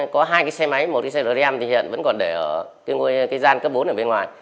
có hai cái xe máy một cái xe rơ rem thì hiện vẫn còn để ở cái gian cấp bốn ở bên ngoài